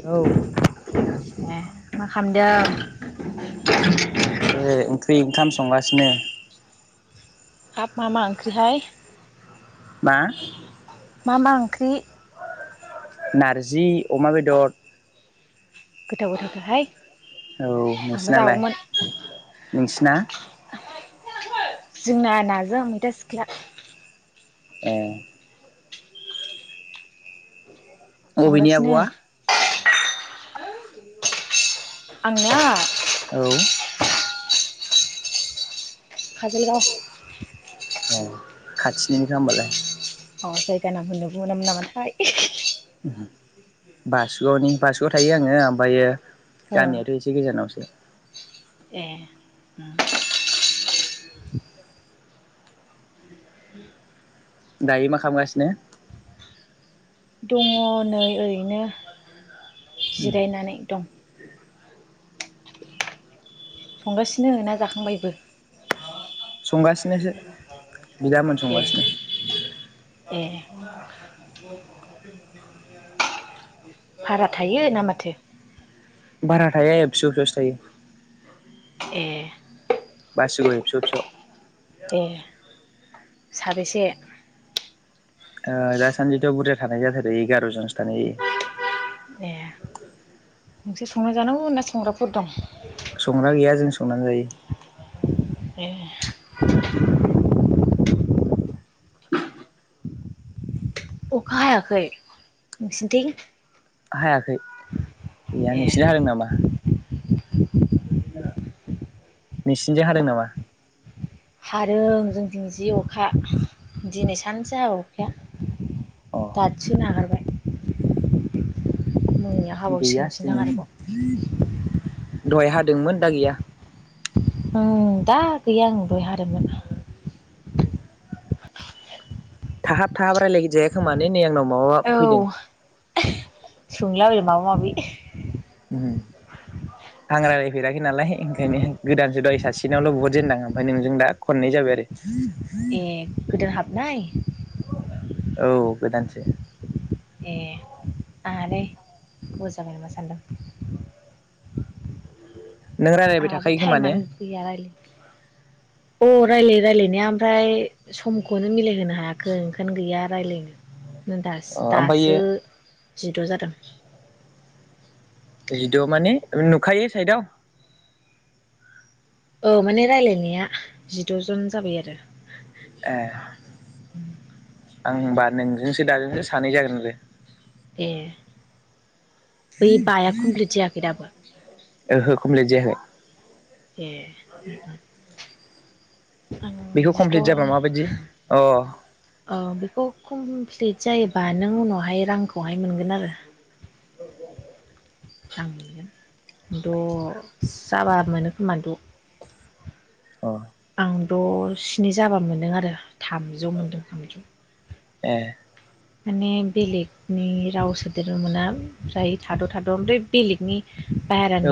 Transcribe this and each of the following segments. औ ओ मा खामदों [unintelligible] ओंखाम संगासिनो हाब मामा ओंख्रिहाय? हा मा मा ओंख्रि? नारजि अमा बेदर गोथाव गोथावथारहाय औ आंबो नोंसिनालाय जागौमोन नोंसिना? जोंना नाजों मैथा सिख्ला ए अबेनि संगासिनो आब'आ? आङनिया औ काजोलगाव औ खाथिनिनोखा होमबालाय। अ जाय नाम होननोबो मोनामोन नामाथाय। [inaudible] बासुगाव'नि बासुगआव थायो आङो ओमफ्रायो ओ गामियाथ' एसे गोजानावसो ए उम दायो मा खामगासिनो? दङ नै ओरैनो जिरायनानै दं संगासिनो ना जाखांबायबो? संगासिनोसो बिदामोन ए संगासिनो ए भारा थायो ना माथो? भारा थाया एबसु अफिसावसो थायो। ए बासुगाव एबसु अफिसाव। ए साबेसे? दासान्दिथ' बुरजा थानाय जाथारो एगार' जनसो थानाय जायो। ए नोंसोर संना जानांगौ ना संग्राफोर दं? संग्रा गैया जोंस संनानै जायो ए अखा हायाखै नोंसिनथिं? हायाखै एया नोंसिनिथिं ए हादों नामा? नोंसिनिथिं हादों नामा? हारों जोंथिं जि अखा दिनै सानसे हाबाय अ अखाया। दासो नागारबाय। मोनायाव गैया हाबावसिगोनसोदां आरोबाव जोंनि दहाय हाद दोंमोन दा गैया ओं दा गैया ओं दहाय हादोंमोन थाहाब थाहाब रायलायगजाया खोमा नै आंनाव माबा फैदों संला माबा माबि आं रायलायफेराखै नालाय ओंखायनो गोदानसो दहाय सासेनावल' बहुद जेनदां ओमफ्राय नोंजों दा खननै जाबाय आरो ए गोदान हा ब नै औ गोदानसो ए आंहालाय गोबाव जाबाय नामा सान्दों नों रायलायबाय आंहाबो थाखायो खोमा ने टाइमानो अ गैया रायलायनो अ रायलायो रायलायो ओमफ्राय सम खौनो मिलायहोनो हायाखै ओंखायनो गैया रायलायनो दा ओमफ्रायो दासो जिद' जादों जिद' माने नुखायो साइदआव औ माने रायलायनाया जिद'जन जाबाय आरो ए आं होनबा नोंजोंसो दाजोंसो सानै जागोन आरो ए बै बाया कमप्लिट जायाखै दाबो ओहो कमप्लिट जायाखै ए आं बेखौ जिद' कमप्लिट जाबा औ माबायदि अ। प्लिट जायोबा नों उनावहाय रांखौहाय मोनगोन आरो। रां मोनगोन दस जाबा मोनो खोमा द। अ। आं द' स्नि जाबा मोनदों आरो थामजौ मोनदों थामजौ। ए। माने बेलेगनि राव सोदेरनो मोना फ्राय थाद' थाद' मफ्राय बेलेगनि।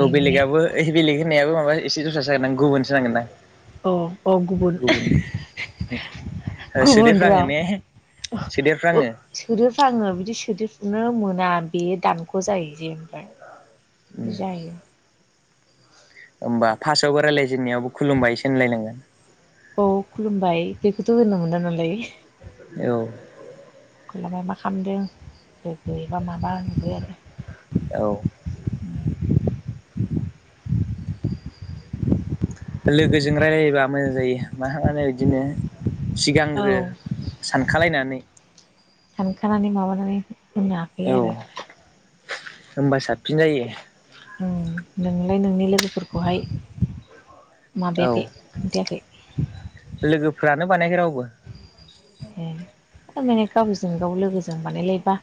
औ माने बेलेगआबो बेलेग होननायाबो माबा एसे दससा जागोन गुबुन। थिनांगोनदां। औ औ गुबुन। गुबुन सोदेरफ्राङो राव ने सोदेरफ्राङो सोदोबफ्रांङो बिदि सोदो। नो मोना बेयो दानख' जायो जे मफ्राय जायो। होमबा फार्स्टआवबो रायज्लायजेननायावबो खुलुमबायसो होननलायनांगोन। औ खुलुमबाय बेखौथ' होननो मोना नालाय। औ। खुलाबा मा खामदों लोगो बा माबा नुबाय आरो। औ लोगोजों रायलायोबा मोजां जायो मा मानो बिदिनो सिगांग्रो औ सानखलायनानै सानखानानै माबानानै बुंनोहाखायो आरो। होनबा साबसिन जायो। उम नोंलाय नोंनि लोगोफोरखौहाय औ माबायाखै खोनथायाखै। फ्रानो बानायखै रावबो। ए थामाने गावजों गाव लोगोजों बानायलायबा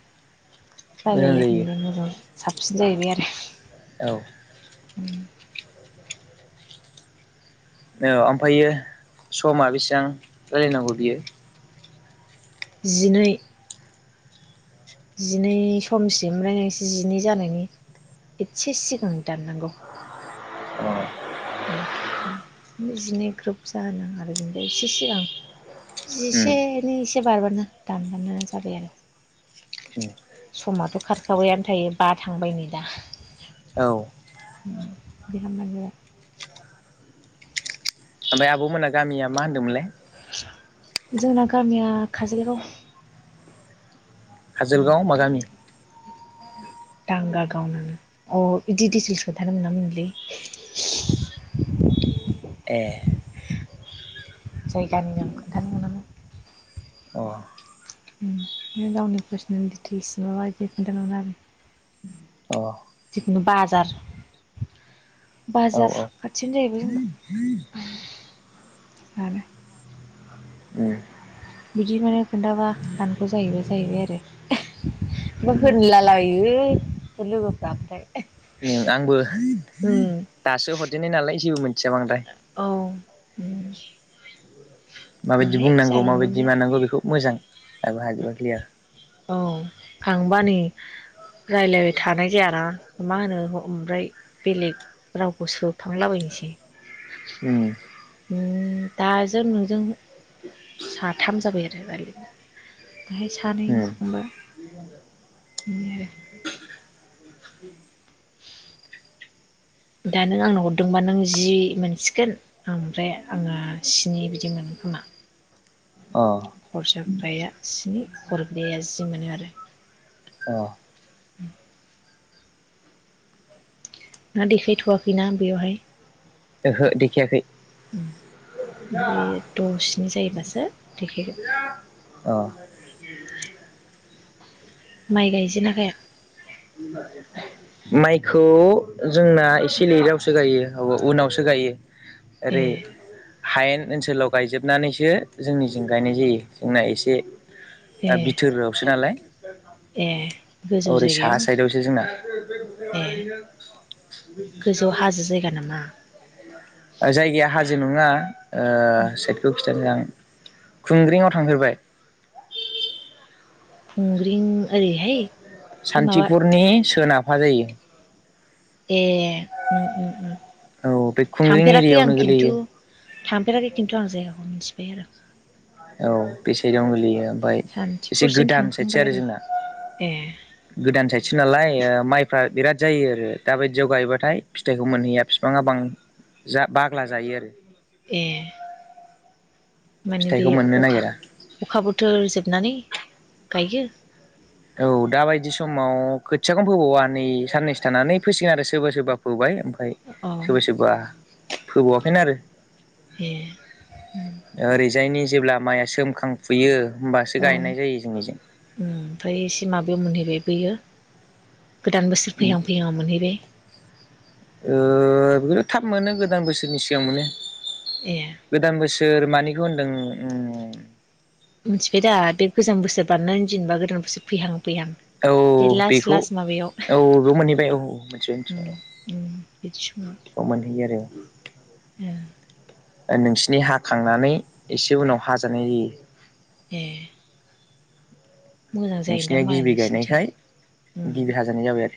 मोजां जायो रायलालायनोलाय मोजां साब सिन जाहैबाय आरो। औ। उम। औ ओमफायो समा बेसेबां रालायनांगौ बियो। जिनै। जिनै समसि मफ्रय नोंसो एसे जिनै जानायनि एसे सिगां दाननांगौ अ जिनै ग्रोब जोनाङा आरो ज एसे सिगां उम जिसेनिै एसे बारबानो दानबानो जाबाय आरो उम समाथ' खारखाबायानो थायो बा थांबाय नै दा औ उम। ओमफाय आब'मोनना गामिया मा होनदोंमोनलाय। जोंना गामिया काजोलगाव। काजोलगाव मागामि। दांगा गावनानो अ बिदि डिटेल्स खोनथानो मोना मोनलै। ए जायगानि नाम खोन्थानो मोनामोन। अ उम मे गावनि पार्सनेल दिटिस माबा बिदि खिथा मोना आरो। अ औ जिखुनु बाजार बाजार औ खाथियानो जाहैबाय जोंना आरो। उम बिदि माने खोन्थाबा दानख' जाहैबाय जाहैबाय आरो होनला लायो लोगोफ्रा ओमफ्राय। उम आंबो दासो हरदेननाय नालाय जेबो मिथिया बांद्राय। उम माबायदि बुंनांगौ माबायदि बे मानांगौ बेखौ मोजां दाबो हाजोबाखैलै आं। औ आंबा नै रायलायबाय थानाय जायाना मा होनो ओमफ्राय बेलेग रावखौ सोखांलाबायनोसै। उम उम दा जों नोंजों साथाम जाबाय आरो राबो बेहाय सानै उम हरखोमबा बि आरो [inaudible] दा नों आंनो हरदोंबा नों जि मोनसिगोन ओमफ्राय आङो स्नि बिदि मोनो खोमा‌ अ खर जाग्राया सिनि हरग्राया जि मोनो आरो अ [inaudible] ना देखायथ'वाखैनाा बेवहाय? ओहो देखियाखै। बे दसेनि जायोबासो देखायगोन। अ माइ गायजन नागाया माइखौ। जोंना एसे ए लैदावसो गायो। औ उनावसो गायो। आरो। ए हायेन ओनसोलाव गायजोबनानैसो जोंनिजों गायनाय जायो जोंना एसे। ए दा बिथोरावसो नालाय। ए गोजौ ओरै साहा जायगायाव साइदआवसो जोंना। ए। गोजौआव हाजो जायगा नामा? जायगाया हाजो नङा। साइकेलखौ खिथानो आं। खुंग्रिंआव थांफेरबाय? खुंग्रिं ओरैहाय। बे माबा सान्थिफुरनि सोनाबाहा जायो। ए उम उम उम। औ बे खुंग्रिं थांफेराखै आं एरियाायावनो खिन्थु गोलैयो। थांफेराखै खिन्थु आं जायगाखौ मिथिबाय आरो। औ बेसाइ दं गोलैयो। ओमफ्राय एसे सान्थिफुरसिम गोदान साइदसो थांखांबाय आरो जोंना। ए गोदान साइद मथि नालाय माइफ्रा बिराद जायो आरो। दा बायदियाव गायोबाथाय फिथाइखौ मोनहैया बिफाङा बां बाग्ला जायो आरो। ए। माने बे फिथाइखौ मोननो अखा नागिरा अखा बोथोर जोबनानै? गाइयो औ दाबायदि समाव खोथियाखौनो फोबावा नै साननैसो थानानै फैसिगोन आरो सोरबा सोरबा फोबाय। फ्राय औ सोरबा सोरबा फोबावाखैनो आरो। ए ओरैजायनि जेब्ला माइया सोमखांफुयो। होमबासो गायनाय जायो जोंनिजों। फ्राय इसे माबायाव मोनहैगो बेबोयो। गोदान बोसोर फैहां फैहांआव मोनहैबाय। ओ बिराद थाब मोनो गोदान बोसोरनि सि सिगां मोने ए गोदान बोसो सोर मानिखौ होनदों उम। मोनथिबाय दा बे गोजाम बोसोर बारनानै जेनेबा गोदान बोसोर फैहां फैहां औ बे लास्ट बेखौ लास्ट माबायाव औ बे मोनहैबाय औ मोनथिबाय उम उम मोनथिबाय औ औ मोनहैयो आरो। ए। ओ नोंसिनि हाखांनानै एसे उनाव हाजानाय ए। मोजां जायदां नोंसिनिया माइया गिबि नोंसिनिथिं गायनायखाय उम गिबि हाजानाय जाबाय आरो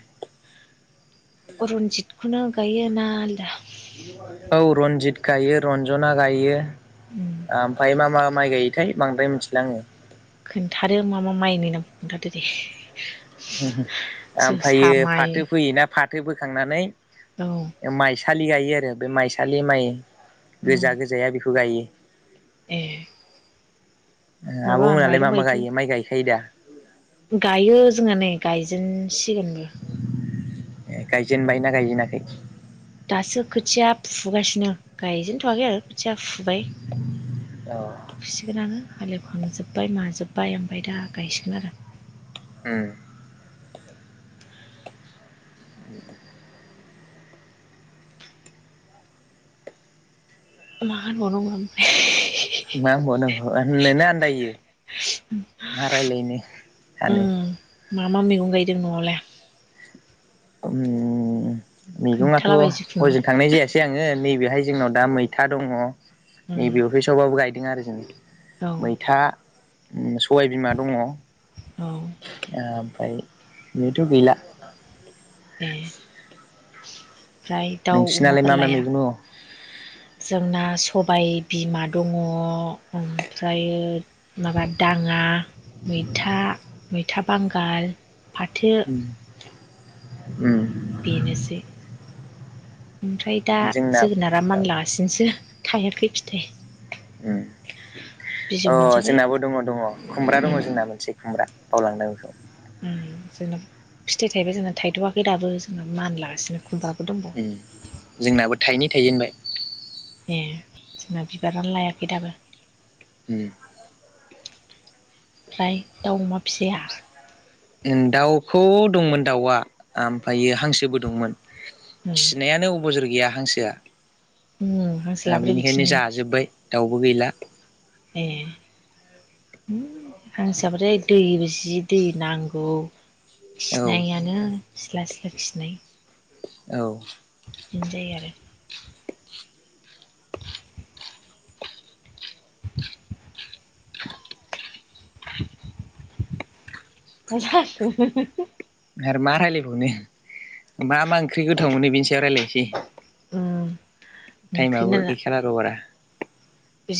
अरनजितखौनो गायो ना आलदा? औ रन्जित गायो रन्जना गायो। उम ओमफाय मा मा माइ गायोथाय। बांद्राय मिथिला आङो। खोन्थादो मा मा माइनि नाम खोन्थादो दे। ओमफायो जोसा माइ फाथो फैयोना फा थो फोखांनानै औ माइसालि गायो आरो। बे माइसालि माइ औ गोजा गोजाया बेखौ गायो। ए माबा आब'मोनालाय मा माइरं मा बायदि गायो माइ गायखायो दा गायो जोंहा नै गायजेनसिगोनबो ए गायजेनबायना गायजेनाखै? दासो खोथिया फुगासिनो गायजेनथ'वाखै आरो खोथिया फुबाय अ फुसिगोन आनो हालेव खांजोब्बाय माजोब्बाय ओमफ्राय दा गायसिगोन आरो। उम। [unintelligible] मा होनबाव‌ नांगौ [unintelligible] मा होनबाव नांगौ होननोनो आन्दायो मा रायलायनो सानो। उम मा मा मैगं गायदों न'आवलाय। उम मैगङाथ' खोन्थालाबाय जिखुनु हयजों थांनाय जायासै आङो नैबे बेहाय जोंनाव दा मैथा दङ नै उम बेयावहाय सबाबो गाय आरिजोंनो औ मैथा ओम सबाय बिमा दङ ओम औ फ्राय बेनोथ' गैला। ए ओमफ्राय दाउ नोंसिनालाय अमाफोर मा मा लाया मैगं दं? जोंना सबाय बिमा दङ ओमफ्र माबा दाङा मैथा मै था बांगाल फाथो उम बेनोसै। ओमफ्राय दा जोंना जोगोनारा औ मानलागासिनोसो थायाखै फिथाइ बिजौ ओम अ मोनजाबाय जोंनाबो दङ दङ खुमब्रा दङ उम जोंना मोनसे खुमब्रा बावलांदों बेखौ ओम फिथाइ थाइबा जोंना थाइथ'वाखै दाबो जोंना मान लागासिनो। ओम जोंनाबो थाइनै थाइजेनबाय। ए जोंना बिबारानो लायाखै दाबो। होम ओमफ्राय दाउ अमा फिया? ओम दाउखौ दंमोन दाउआ ओमफायो हांसोबो दंमोन। उम खिनायानो अबजर गैया हांसोआ उम हांसो दा लाब्रो बेनिखायनो बिदिनो जाजोब्बाय। दाउबो गैला। ए उम हांसो थाबाथाय दैबो जि दै नांगौ। औ खिनायानो सिला सिला खिनाय औ। बिदिनो जायो आरो। मा जाखो आरो मा रायलायबावनो। मा मा ओंख्रि गोथाव मोनो बेनि सायाव रायलायनोसै? दे। ओम टाइमाबो गैखाला र' बारा।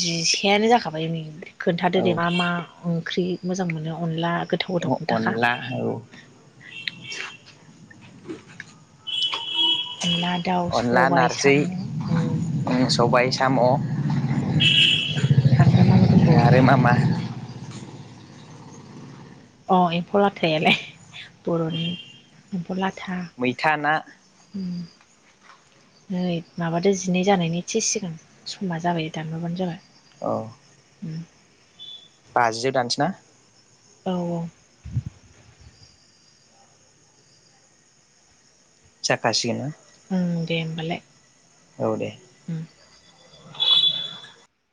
जिसेयानो जाखाबाय नै। खोन्थादोदे मा- मा ओंख्रि। मोजां मोनो। अनला गोथाव अ गोथाव खोन्थाखा अनला औ। [unintelligible] अनला दाउ अनला सबाय नारजि साम' उम। सबाय साम। मा मा दंबावो आरो मा-मा। अ एम्फौलाथायालाय बर'नि एम्फौला। मैथाना। नै माबादो जिनै जानायनि एथसे सिगां समा जाबाय दानाबानो जाबाय। औ। बाजिआव दानसै ना। औ -औ। जाखासिगोन ना। ओं दे होनबालाय। औ दे। उम।